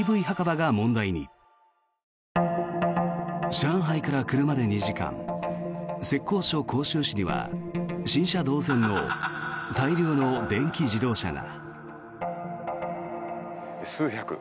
上海から車で２時間浙江省杭州市には新車同然の大量の電気自動車が。